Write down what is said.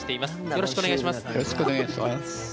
よろしくお願いします。